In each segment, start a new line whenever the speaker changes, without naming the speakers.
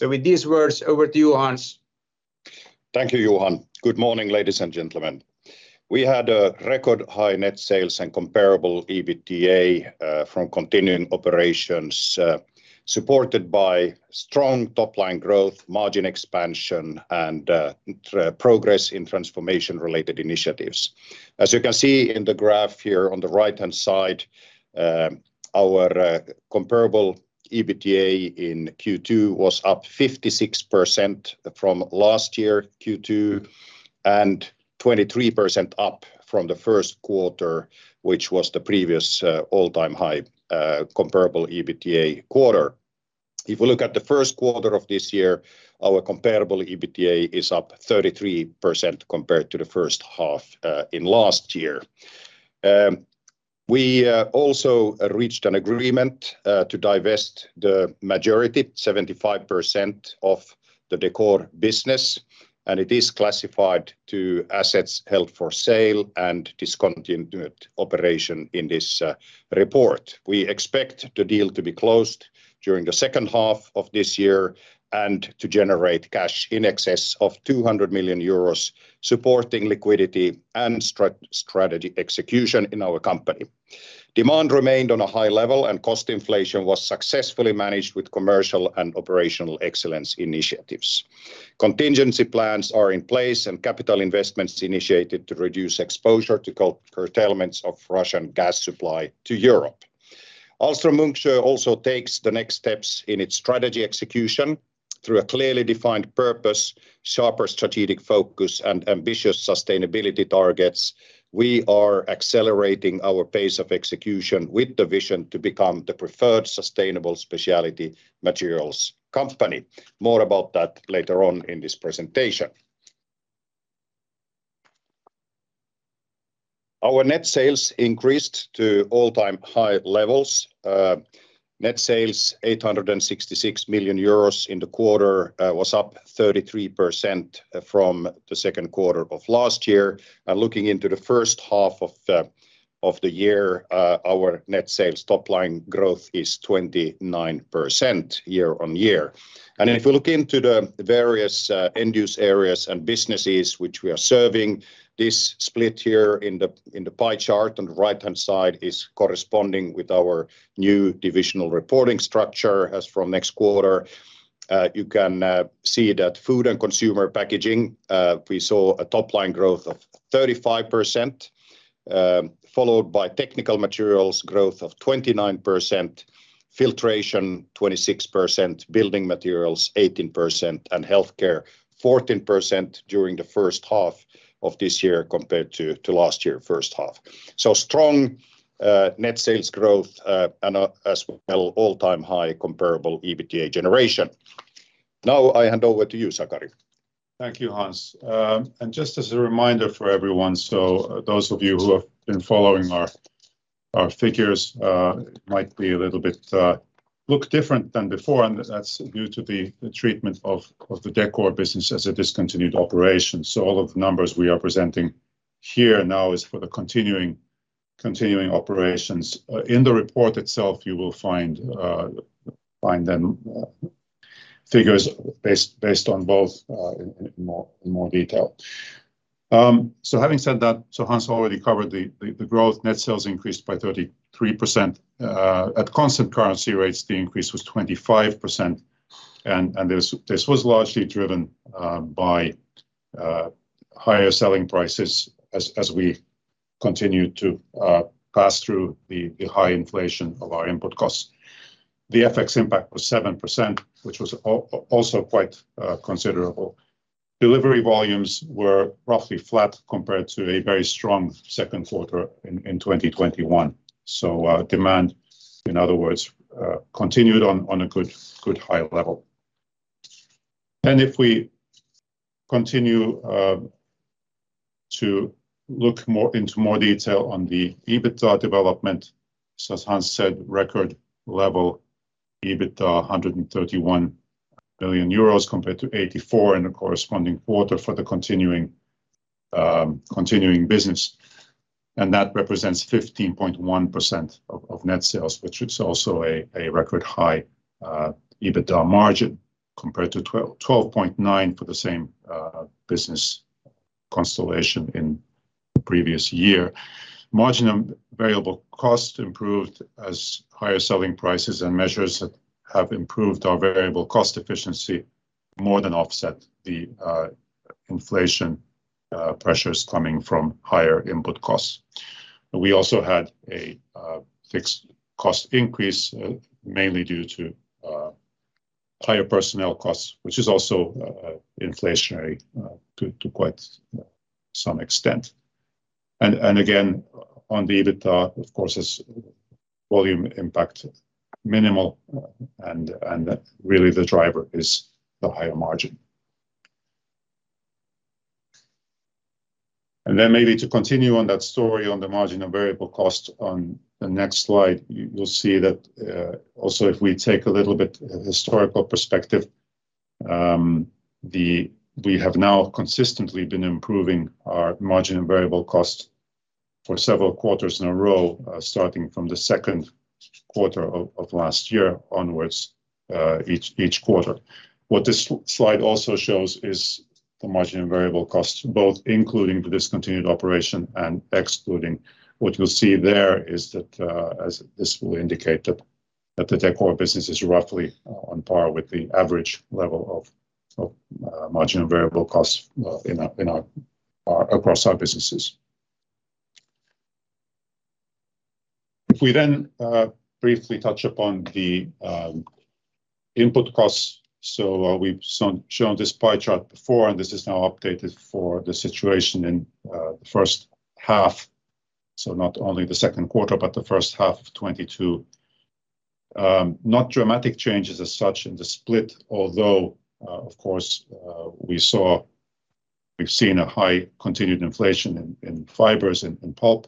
With these words, over to you, Hans.
Thank you, Johan. Good morning, ladies and gentlemen. We had a record high net sales and comparable EBITDA from continuing operations supported by strong top-line growth, margin expansion, and progress in transformation-related initiatives. As you can see in the graph here on the right-hand side, our comparable EBITDA in Q2 was up 56% from last year Q2, and 23% up from the first quarter, which was the previous all-time high comparable EBITDA quarter. If we look at the first quarter of this year, our comparable EBITDA is up 33% compared to the first half in last year. We also reached an agreement to divest the majority, 75% of the Decor business, and it is classified to assets held for sale and discontinued operation in this report. We expect the deal to be closed during the second half of this year and to generate cash in excess of 200 million euros, supporting liquidity and strategy execution in our company. Demand remained on a high level, and cost inflation was successfully managed with commercial and operational excellence initiatives. Contingency plans are in place, and capital investments initiated to reduce exposure to curtailments of Russian gas supply to Europe. Ahlstrom-Munksjö also takes the next steps in its strategy execution through a clearly defined purpose, sharper strategic focus, and ambitious sustainability targets. We are accelerating our pace of execution with the vision to become the preferred sustainable specialty materials company. More about that later on in this presentation. Our net sales increased to all-time high levels. Net sales 866 million euros in the quarter was up 33% from the second quarter of last year. Looking into the first half of the year, our net sales top-line growth is 29% year-on-year. If you look into the various end-use areas and businesses which we are serving, this split here in the pie chart on the right-hand side is corresponding with our new divisional reporting structure as from next quarter. You can see that Food and Consumer Packaging we saw a top-line growth of 35%, followed by Technical Materials growth of 29%, Filtration 26%, Building Materials 18%, and Healthcare 14% during the first half of this year compared to last year first half. Strong net sales growth and, as well, all-time high comparable EBITDA generation. Now I hand over to you, Sakari.
Thank you, Hans. Just as a reminder for everyone, those of you who have been following our figures might look a little bit different than before, and that's due to the treatment of the Decor business as a discontinued operation. All of the numbers we are presenting here now is for the continuing operations. In the report itself, you will find the figures based on both, in more detail. Having said that, Hans already covered the growth. Net sales increased by 33%. At constant currency rates, the increase was 25%, and this was largely driven by higher selling prices as we continued to pass through the high inflation of our input costs. The FX impact was 7%, which was also quite considerable. Delivery volumes were roughly flat compared to a very strong second quarter in 2021. Demand, in other words, continued on a good high level. If we continue to look more in detail on the EBITDA development, as Hans said, record level EBITDA, 131 million euros compared to 84 million in the corresponding quarter for the continuing business. That represents 15.1% of net sales, which is also a record high EBITDA margin compared to 12.9% for the same business constellation in the previous year. Margin of variable cost improved as higher selling prices and measures that have improved our variable cost efficiency more than offset the inflation pressures coming from higher input costs. We also had a fixed cost increase, mainly due to higher personnel costs, which is also inflationary to quite some extent. Again, on the EBITDA, of course, is volume impact minimal and really the driver is the higher margin. Then maybe to continue on that story on the margin of variable cost on the next slide, you will see that also if we take a little bit historical perspective, we have now consistently been improving our margin and variable costs for several quarters in a row, starting from the second quarter of last year onwards, each quarter. What this slide also shows is the margin and variable costs, both including the discontinued operation and excluding. What you'll see there is that as this will indicate that the Decor business is roughly on par with the average level of margin and variable costs across our businesses. If we then briefly touch upon the input costs. We've shown this pie chart before, and this is now updated for the situation in the first half, so not only the second quarter, but the first half of 2022. Not dramatic changes as such in the split, although of course we've seen a high continued inflation in fibers and pulp,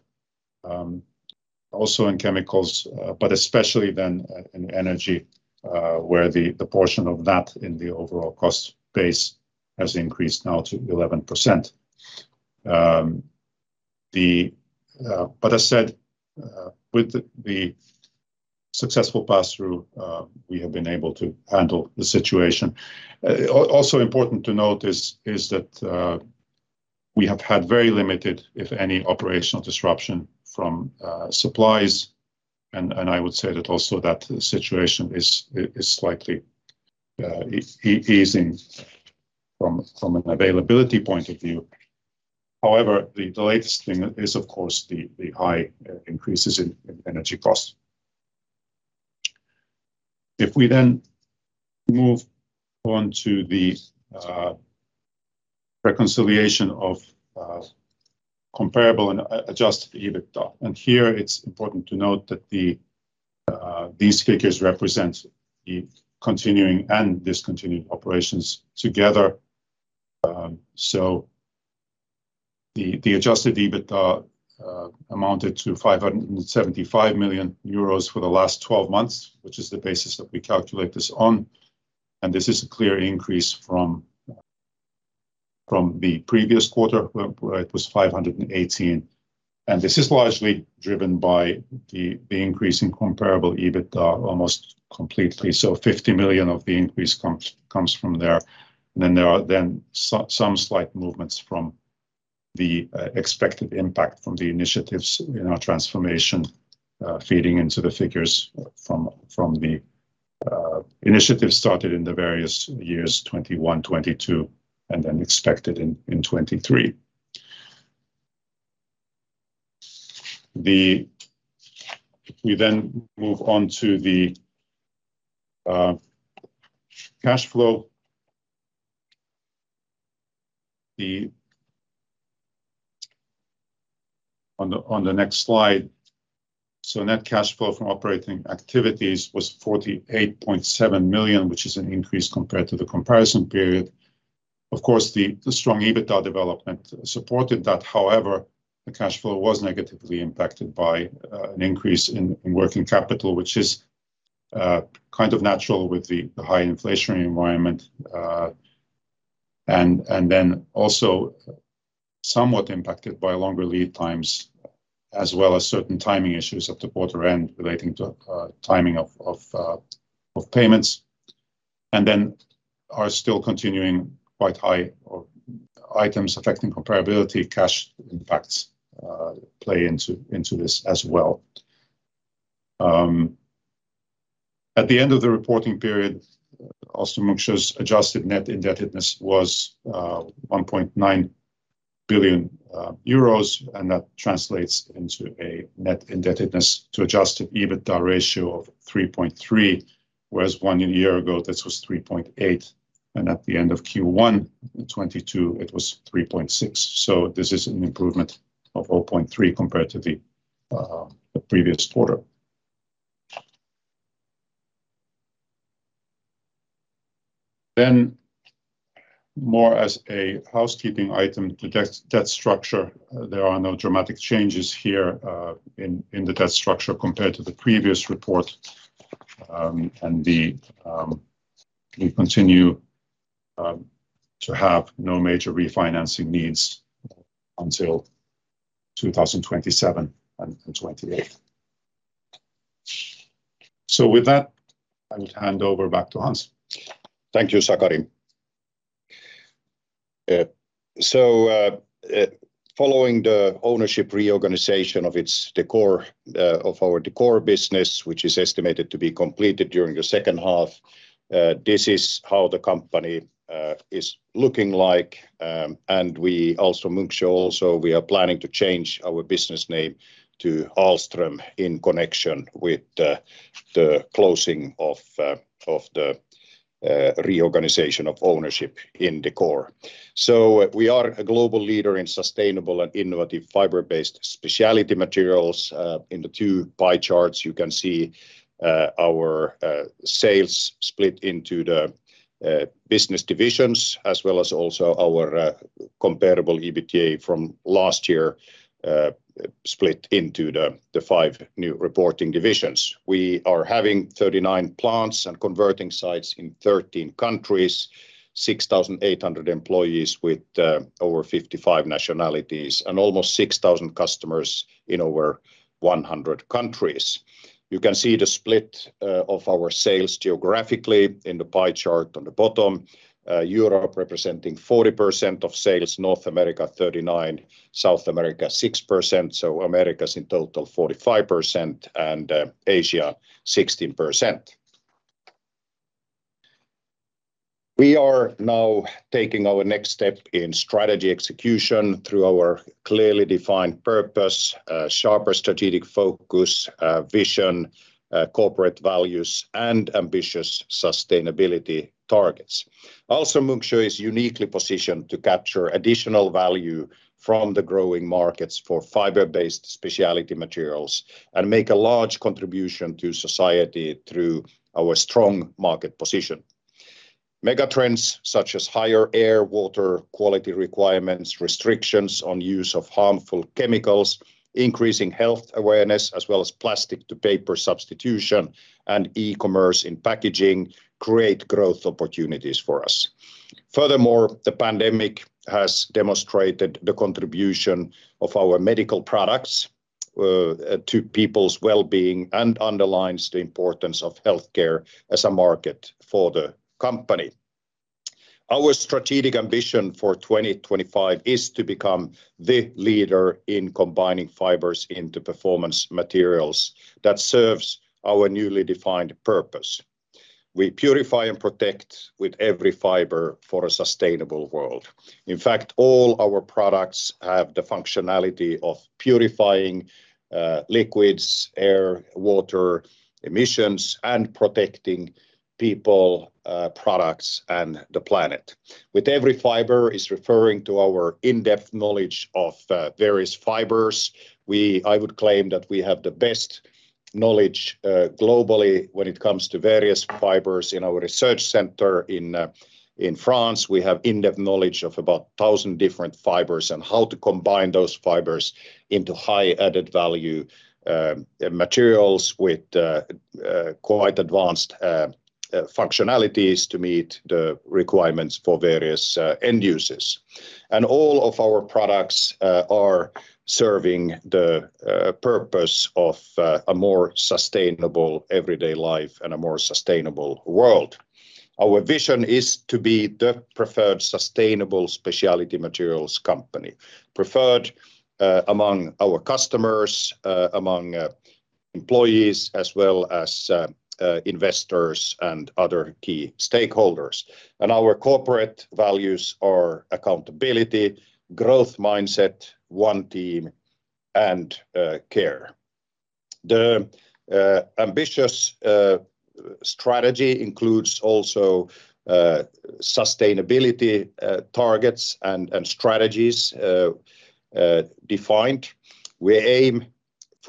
also in chemicals, but especially then in energy, where the portion of that in the overall cost base has increased now to 11%. As said, with the successful pass-through, we have been able to handle the situation. Also important to note is that we have had very limited, if any, operational disruption from supplies, and I would say that also that the situation is slightly easing from an availability point of view. However, the latest thing is, of course, the high increases in energy costs. If we then move on to the reconciliation of comparable and adjusted EBITDA. Here it's important to note that these figures represent the continuing and discontinued operations together. The adjusted EBITDA amounted to 575 million euros for the last 12 months, which is the basis that we calculate this on. This is a clear increase from the previous quarter where it was 518 million. This is largely driven by the increase in comparable EBITDA almost completely. 50 million of the increase comes from there. Then there are some slight movements from the expected impact from the initiatives in our transformation, feeding into the figures from the initiatives started in the various years, 2021, 2022, and then expected in 2023. We then move on to the cash flow on the next slide. Net cash flow from operating activities was 48.7 million, which is an increase compared to the comparison period. Of course, the strong EBITDA development supported that. However, the cash flow was negatively impacted by an increase in working capital, which is kind of natural with the high inflationary environment. Also somewhat impacted by longer lead times, as well as certain timing issues at the quarter end relating to timing of payments. Our still continuing quite high items affecting comparability of cash, in fact, play into this as well. At the end of the reporting period, Ahlstrom-Munksjö's adjusted net indebtedness was 1.9 billion euros, and that translates into a net indebtedness to adjusted EBITDA ratio of 3.3, whereas one year ago, this was 3.8, and at the end of Q1 in 2022, it was 3.6. This is an improvement of 0.3 compared to the previous quarter. More as a housekeeping item, the debt structure, there are no dramatic changes here in the debt structure compared to the previous report. We continue to have no major refinancing needs until 2027 and 2028. With that, I'll hand over back to Hans.
Thank you, Sakari. Following the ownership reorganization of our Decor business, which is estimated to be completed during the second half, this is how the company is looking like. We Ahlstrom-Munksjö also, we are planning to change our business name to Ahlstrom in connection with the closing of the reorganization of ownership in Decor. We are a global leader in sustainable and innovative fiber-based specialty materials. In the two pie charts, you can see our sales split into the business divisions as well as also our like comparable EBITDA from last year split into the five new reporting divisions. We are having 39 plants and converting sites in 13 countries, 6,800 employees with over 55 nationalities and almost 6,000 customers in over 100 countries. You can see the split of our sales geographically in the pie chart on the bottom. Europe representing 40% of sales, North America 39%, South America 6%, so Americas in total 45%, and Asia 16%. We are now taking our next step in strategy execution through our clearly defined purpose, sharper strategic focus, vision, corporate values, and ambitious sustainability targets. Also, Munksjö is uniquely positioned to capture additional value from the growing markets for fiber-based specialty materials and make a large contribution to society through our strong market position. Megatrends such as higher air, water quality requirements, restrictions on use of harmful chemicals, increasing health awareness, as well as plastic to paper substitution and e-commerce in packaging create growth opportunities for us. Furthermore, the pandemic has demonstrated the contribution of our medical products to people's well-being and underlines the importance of healthcare as a market for the company. Our strategic ambition for 2025 is to become the leader in combining fibers into performance materials that serves our newly defined purpose. We purify and protect with every fiber for a sustainable world. In fact, all our products have the functionality of purifying liquids, air, water, emissions, and protecting people, products and the planet. With every fiber is referring to our in-depth knowledge of various fibers. I would claim that we have the best knowledge globally when it comes to various fibers. In our research center in France, we have in-depth knowledge of about 1,000 different fibers and how to combine those fibers into high added value materials with quite advanced functionalities to meet the requirements for various end users. All of our products are serving the purpose of a more sustainable everyday life and a more sustainable world. Our vision is to be the preferred sustainable specialty materials company. Preferred among our customers, among employees, as well as investors and other key stakeholders. Our corporate values are accountability, growth mindset, one team and care. The ambitious strategy includes also sustainability targets and strategies defined. We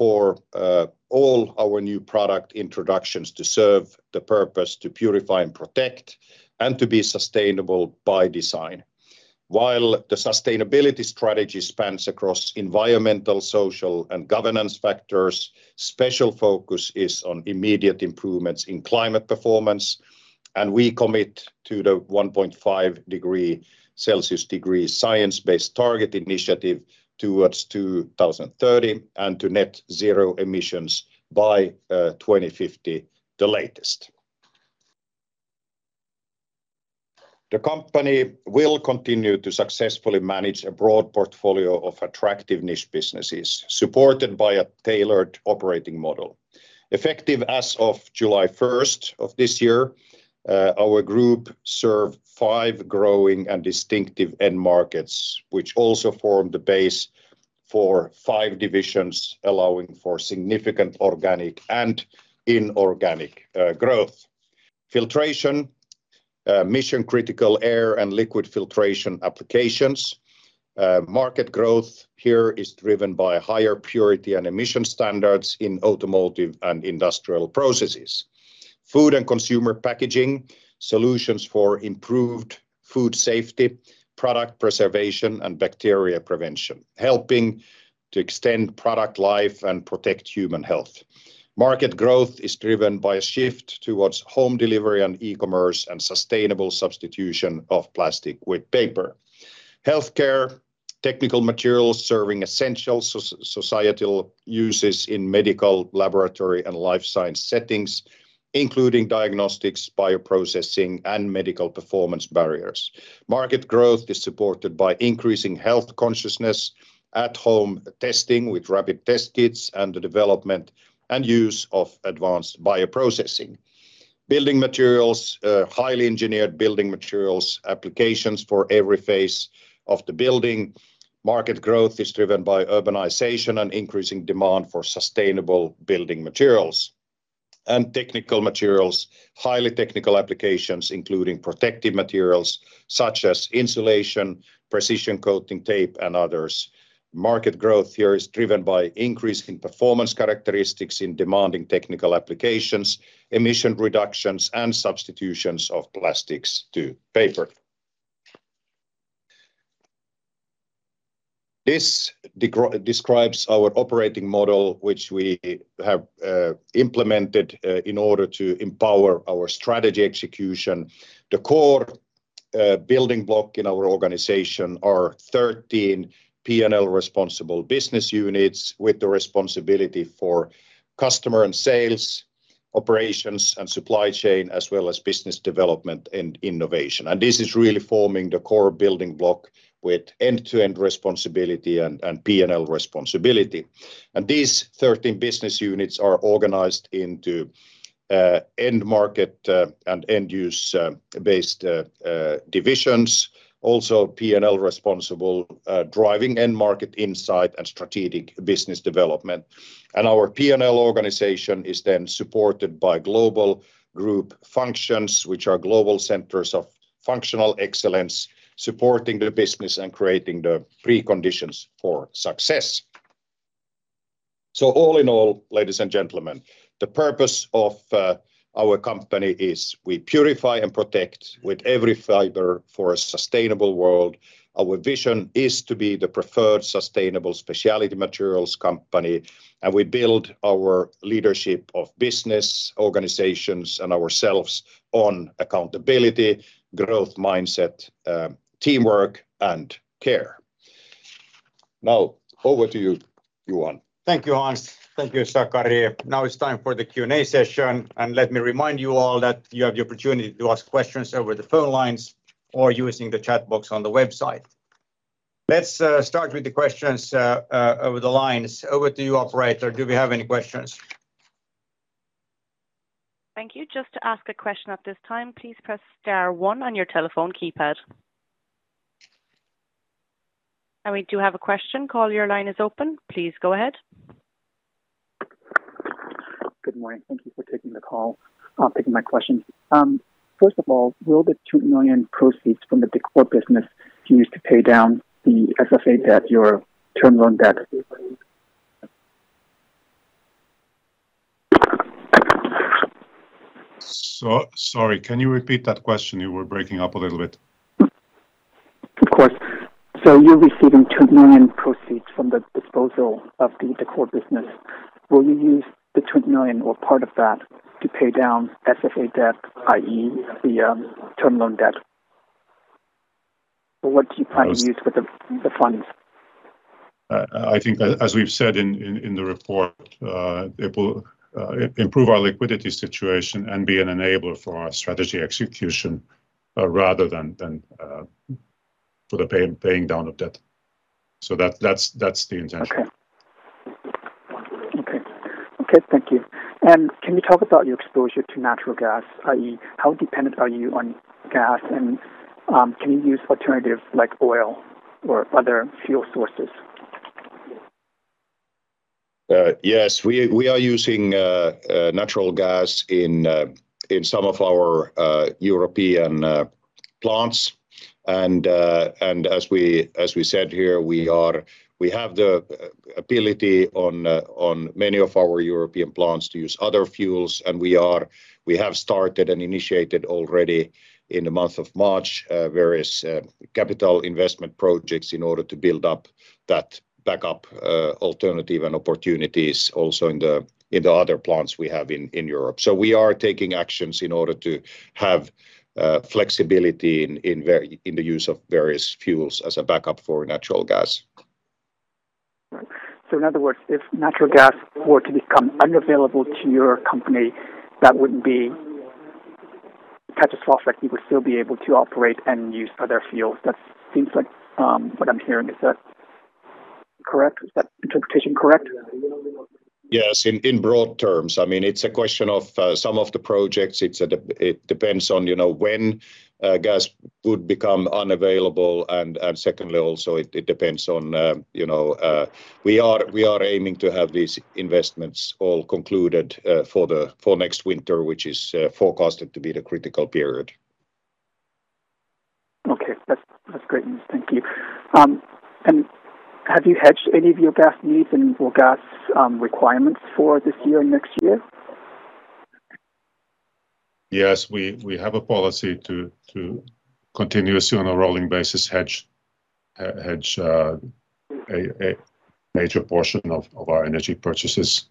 aim for all our new product introductions to serve the purpose to purify and protect and to be sustainable by design. While the sustainability strategy spans across environmental, social and governance factors, special focus is on immediate improvements in climate performance, and we commit to the 1.5-degree Celsius Science Based Targets initiative toward 2030 and to net zero emissions by 2050 the latest. The company will continue to successfully manage a broad portfolio of attractive niche businesses supported by a tailored operating model. Effective as of July 1 of this year, our group served five growing and distinctive end markets, which also form the base for five divisions, allowing for significant organic and inorganic growth. Filtration, mission-critical air and liquid filtration applications. Market growth here is driven by higher purity and emission standards in automotive and industrial processes. Food and Consumer Packaging, solutions for improved food safety, product preservation and bacteria prevention, helping to extend product life and protect human health. Market growth is driven by a shift towards home delivery and e-commerce and sustainable substitution of plastic with paper. Healthcare, technical materials serving essential societal uses in medical, laboratory and life science settings, including diagnostics, bioprocessing and medical performance barriers. Market growth is supported by increasing health consciousness, at home testing with rapid test kits and the development and use of advanced bioprocessing. Building Materials, highly engineered building materials, applications for every phase of the building. Market growth is driven by urbanization and increasing demand for sustainable building materials. Technical Materials, highly technical applications including protective materials such as insulation, precision coating tape and others. Market growth here is driven by increasing performance characteristics in demanding technical applications, emission reductions and substitutions of plastics to paper. This describes our operating model, which we have implemented in order to empower our strategy execution. The core building block in our organization are 13 P&L responsible business units with the responsibility for customer and sales, operations and supply chain, as well as business development and innovation. This is really forming the core building block with end-to-end responsibility and P&L responsibility. These 13 business units are organized into end-market and end-use-based divisions, also P&L responsible, driving end-market insight and strategic business development. Our P&L organization is then supported by global group functions, which are global centers of functional excellence, supporting the business and creating the preconditions for success. All in all, ladies and gentlemen, the purpose of our company is we purify and protect with every fiber for a sustainable world. Our vision is to be the preferred sustainable specialty materials company, and we build our leadership of business organizations and ourselves on accountability, growth mindset, teamwork, and care. Now over to you, Johan.
Thank you, Hans. Thank you, Sakari. Now it's time for the Q&A session, and let me remind you all that you have the opportunity to ask questions over the phone lines or using the chat box on the website. Let's start with the questions over the lines. Over to you, operator. Do we have any questions?
Thank you. Just to ask a question at this time, please press star one on your telephone keypad. We do have a question. Caller, your line is open. Please go ahead.
Good morning. Thank you for taking the call, taking my question. First of all, will the 2 million proceeds from the Decor business be used to pay down the SFA debt, your term loan debt?
Sorry, can you repeat that question? You were breaking up a little bit.
Of course. You're receiving 2 million proceeds from the disposal of the Decor business. Will you use the 20 million or part of that to pay down SFA debt, i.e., the term loan debt? Or what do you plan to use with the funds?
I think as we've said in the report, it will improve our liquidity situation and be an enabler for our strategy execution, rather than for the paying down of debt. That's the intention.
Okay, thank you. Can you talk about your exposure to natural gas, i.e., how dependent are you on gas? Can you use alternatives like oil or other fuel sources?
Yes. We are using natural gas in some of our European plants. As we said here, we have the ability on many of our European plants to use other fuels, and we have started and initiated already in the month of March various capital investment projects in order to build up that backup alternative and opportunities also in the other plants we have in Europe. We are taking actions in order to have flexibility in the use of various fuels as a backup for natural gas.
In other words, if natural gas were to become unavailable to your company, that wouldn't be catastrophic. You would still be able to operate and use other fuels. That seems like, what I'm hearing. Is that correct? Is that interpretation correct?
Yes, in broad terms. I mean, it's a question of some of the projects. It depends on, you know, when gas would become unavailable, and secondly, also it depends on, you know, we are aiming to have these investments all concluded for next winter, which is forecasted to be the critical period.
Okay, that's great news. Thank you. Have you hedged any of your gas needs and, or gas requirements for this year or next year?
Yes, we have a policy to continuously on a rolling basis hedge a major portion of our energy purchases.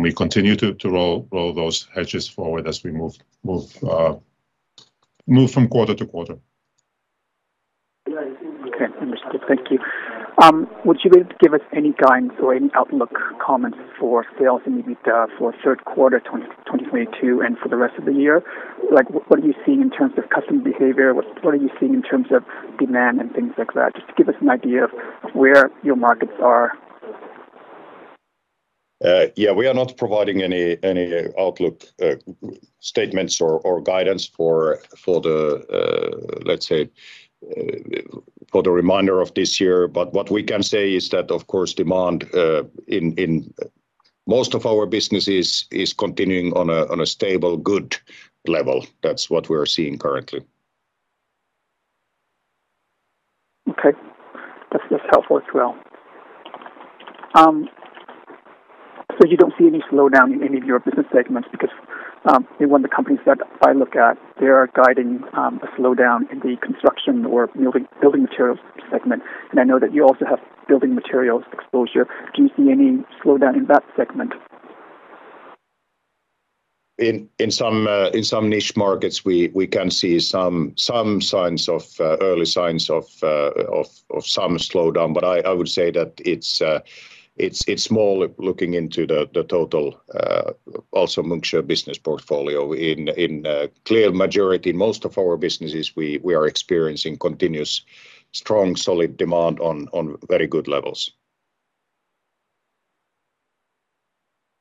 We continue to roll those hedges forward as we move from quarter-to-quarter.
Okay. Understood. Thank you. Would you be able to give us any guidance or any outlook comments for sales in EBITDA for third quarter 2022 and for the rest of the year? Like, what are you seeing in terms of customer behavior? What are you seeing in terms of demand and things like that? Just to give us an idea of where your markets are.
We are not providing any outlook statements or guidance for, let's say, the remainder of this year. What we can say is that of course demand in most of our businesses is continuing on a stable, good level. That's what we are seeing currently.
Okay. That's helpful as well. So you don't see any slowdown in any of your business segments because in one of the companies that I look at, they are guiding a slowdown in the construction or Building Materials segment. I know that you also have Building Materials exposure. Do you see any slowdown in that segment?
In some niche markets, we can see some early signs of some slowdown. I would say that it's small, looking into the total Ahlstrom-Munksjö business portfolio. In clear majority, most of our businesses, we are experiencing continuous strong, solid demand on very good levels.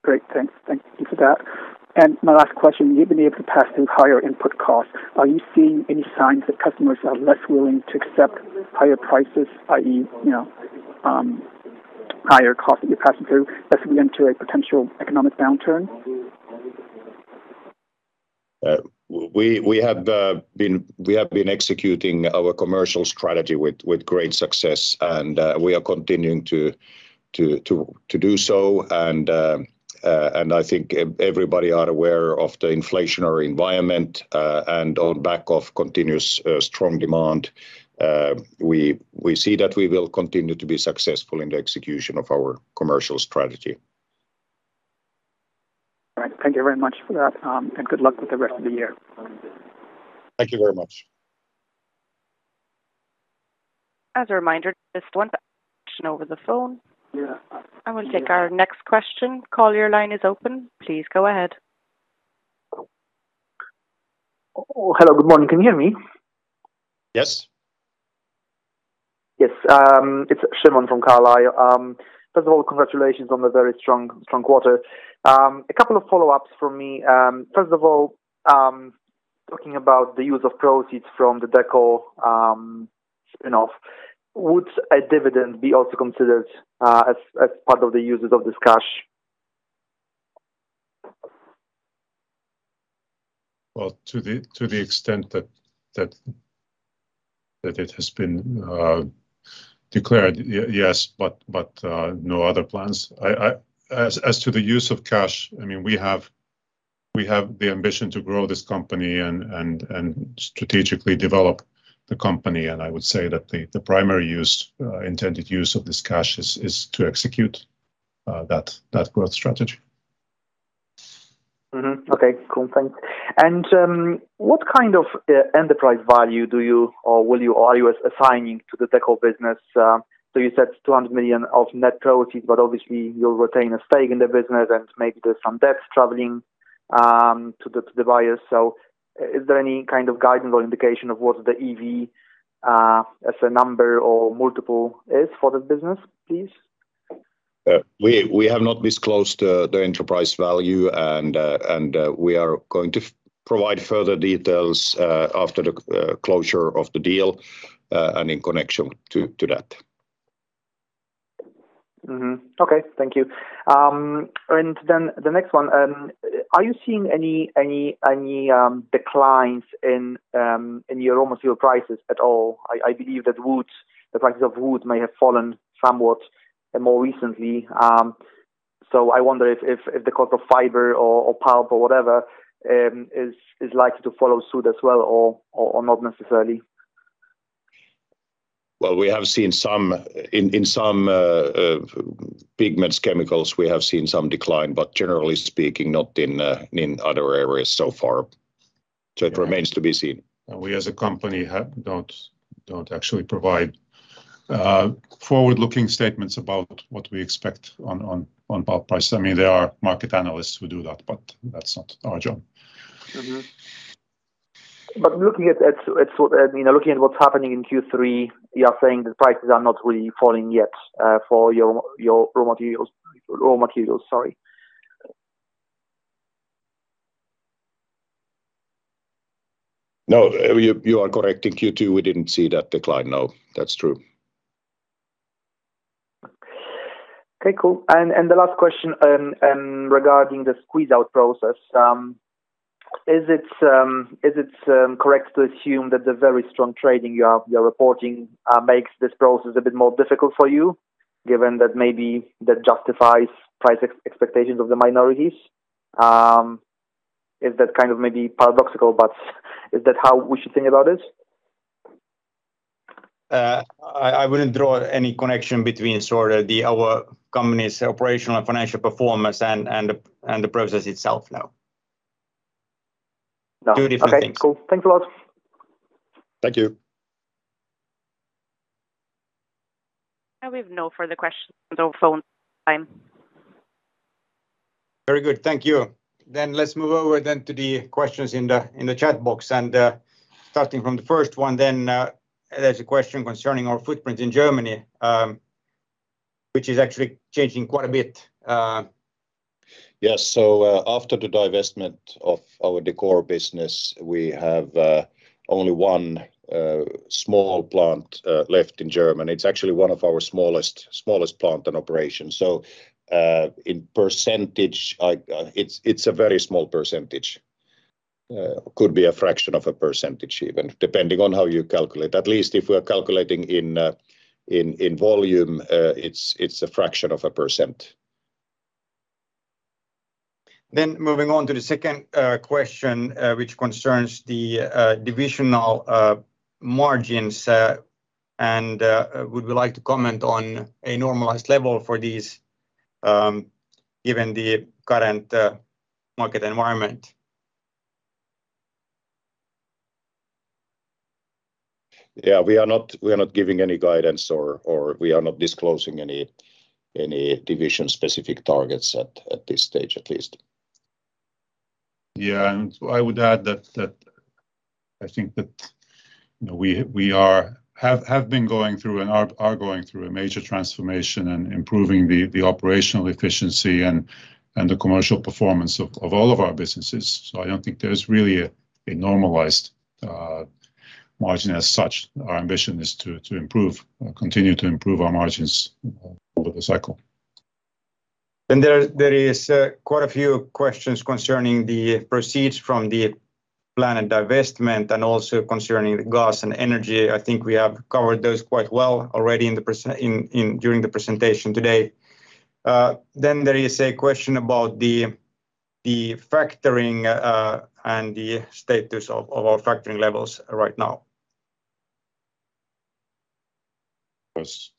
Great. Thanks. Thank you for that. My last question, you've been able to pass through higher input costs. Are you seeing any signs that customers are less willing to accept higher prices, i.e., you know, higher costs that you're passing through, thus leading to a potential economic downturn?
We have been executing our commercial strategy with great success, and we are continuing to do so. I think everybody are aware of the inflationary environment. On the back of continuous strong demand, we see that we will continue to be successful in the execution of our commercial strategy.
All right. Thank you very much for that, and good luck with the rest of the year.
Thank you very much.
As a reminder, just a second over the phone. I will take our next question. Caller, your line is open. Please go ahead.
Oh, hello. Good morning. Can you hear me?
Yes.
Yes. It's Simon from Carlyle. First of all, congratulations on the very strong quarter. A couple of follow-ups for me. First of all, talking about the use of proceeds from the Decor spin-off, would a dividend be also considered as part of the uses of this cash?
Well, to the extent that it has been declared, yes, but no other plans. As to the use of cash, I mean, we have the ambition to grow this company and strategically develop the company. I would say that the primary intended use of this cash is to execute that growth strategy.
Okay, cool. Thanks. What kind of enterprise value do you or will you or are you assigning to the Decor business? You said 200 million of net proceeds, but obviously you'll retain a stake in the business and maybe there's some debts traveling to the buyers. Is there any kind of guidance or indication of what the EV as a number or multiple is for the business, please?
We have not disclosed the enterprise value, and we are going to provide further details after the closure of the deal, and in connection to that.
Okay. Thank you. The next one, are you seeing any declines in your raw material prices at all? I believe that wood, the prices of wood may have fallen somewhat more recently. I wonder if the cost of fiber or pulp or whatever is likely to follow suit as well or not necessarily.
Well, we have seen some. In some pigments, chemicals, we have seen some decline, but generally speaking, not in other areas so far. It remains to be seen.
We as a company don't actually provide forward-looking statements about what we expect on pulp prices. I mean, there are market analysts who do that, but that's not our job.
Mm-hmm. You know, looking at what's happening in Q3, you are saying the prices are not really falling yet for your raw materials, sorry.
No, you are correct. In Q2, we didn't see that decline. No, that's true.
Okay, cool. The last question regarding the squeeze-out process, is it correct to assume that the very strong trading you're reporting makes this process a bit more difficult for you, given that maybe that justifies price expectations of the minorities? Is that kind of maybe paradoxical, but is that how we should think about it?
I wouldn't draw any connection between our company's operational and financial performance and the process itself, no.
No.
Two different things.
Okay, cool. Thanks a lot.
Thank you.
We have no further questions on the phone line.
Very good. Thank you. Let's move over to the questions in the chat box. Starting from the first one then, there's a question concerning our footprint in Germany, which is actually changing quite a bit.
Yes. After the divestment of our Decor business, we have only one small plant left in Germany. It's actually one of our smallest plant in operation. In percentage, it's a very small percentage. Could be a fraction of a percentage even, depending on how you calculate. At least if we are calculating in volume, it's a fraction of a percent.
Moving on to the second question, which concerns the divisional margins, and would we like to comment on a normalized level for these, given the current market environment?
Yeah. We are not giving any guidance or we are not disclosing any division-specific targets at this stage at least.
Yeah. I would add that I think that, you know, we have been going through and are going through a major transformation and improving the operational efficiency and the commercial performance of all of our businesses. I don't think there's really a normalized margin as such. Our ambition is to improve, continue to improve our margins over the cycle.
There is quite a few questions concerning the proceeds from the planned divestment and also concerning the gas and energy. I think we have covered those quite well already during the presentation today. There is a question about the factoring and the status of our factoring levels right now.
Of course,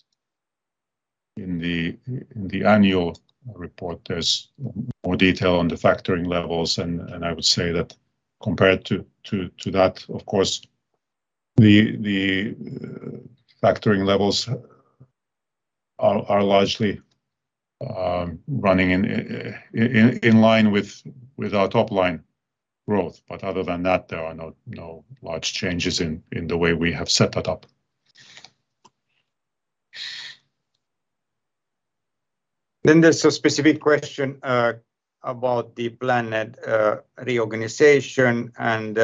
in the annual report, there's more detail on the factoring levels and I would say that compared to that, of course, the factoring levels are largely running in line with our top line growth. But other than that, there are no large changes in the way we have set that up.
There's a specific question about the planned reorganization and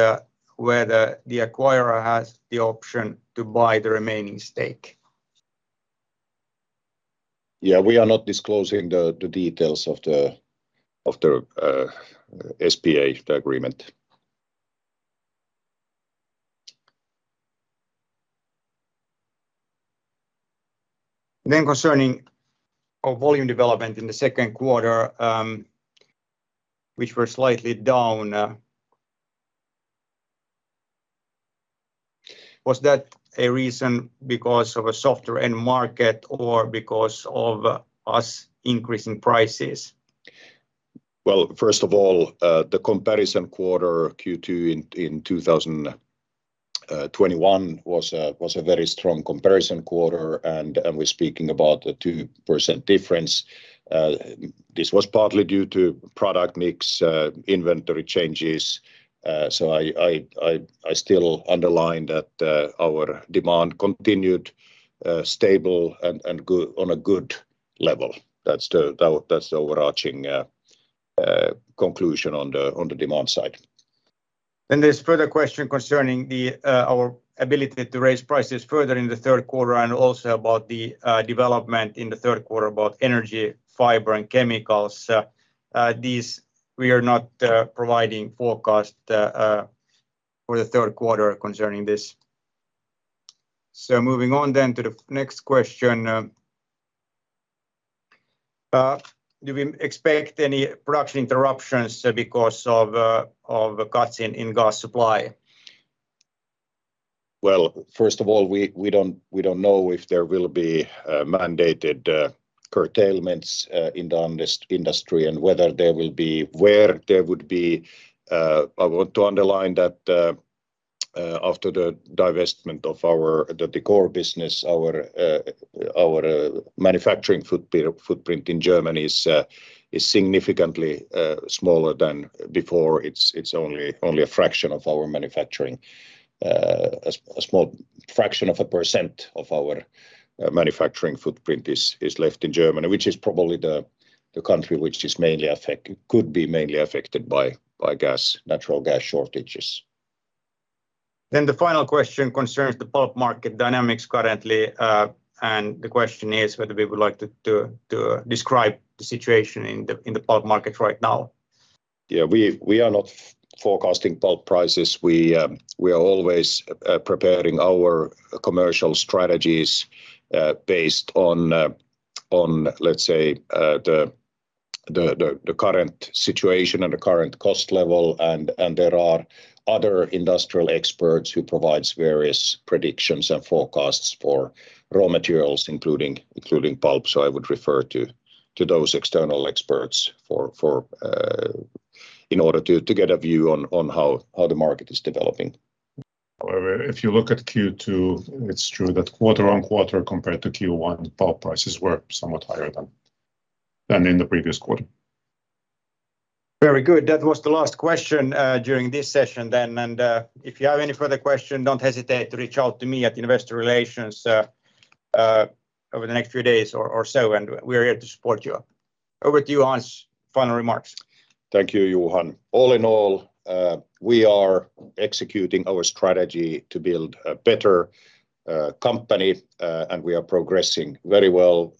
whether the acquirer has the option to buy the remaining stake.
Yeah, we are not disclosing the details of the SPA, the agreement.
Concerning our volume development in the second quarter, which were slightly down, was that a reason because of a softer end market or because of us increasing prices?
Well, first of all, the comparison quarter Q2 in 2021 was a very strong comparison quarter and we're speaking about a 2% difference. This was partly due to product mix, inventory changes. So I still underline that our demand continued stable and good on a good level. That's the overarching conclusion on the demand side.
There's further question concerning the our ability to raise prices further in the third quarter and also about the development in the third quarter about energy, fiber, and chemicals. These we are not providing forecast for the third quarter concerning this. Moving on to the next question, do we expect any production interruptions because of cuts in gas supply?
Well, first of all, we don't know if there will be mandated curtailments in the industry and whether there will be where there would be. I want to underline that after the divestment of our Decor business, our manufacturing footprint in Germany is significantly smaller than before. It's only a fraction of our manufacturing. A small fraction of a percent of our manufacturing footprint is left in Germany, which is probably the country which could be mainly affected by natural gas shortages.
The final question concerns the pulp market dynamics currently. The question is whether we would like to describe the situation in the pulp market right now.
Yeah, we are not forecasting pulp prices. We are always preparing our commercial strategies based on, let's say, the current situation and the current cost level. There are other industrial experts who provides various predictions and forecasts for raw materials, including pulp. I would refer to those external experts for in order to get a view on how the market is developing.
However, if you look at Q2, it's true that quarter-on-quarter compared to Q1, pulp prices were somewhat higher than in the previous quarter.
Very good. That was the last question during this session then. If you have any further question, don't hesitate to reach out to me at Investor Relations over the next few days or so, and we're here to support you. Over to you, Hans, final remarks.
Thank you, Johan. All in all, we are executing our strategy to build a better company. We are progressing very well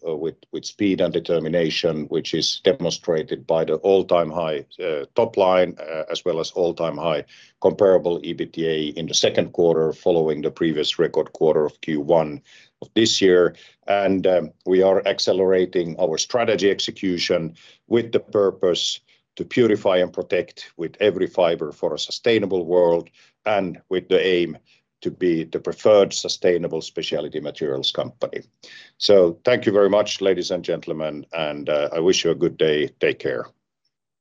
with speed and determination, which is demonstrated by the all-time high top line as well as all-time high comparable EBITDA in the second quarter following the previous record quarter of Q1 of this year. We are accelerating our strategy execution with the purpose to purify and protect with every fiber for a sustainable world and with the aim to be the preferred sustainable specialty materials company. Thank you very much, ladies and gentlemen, and I wish you a good day. Take care.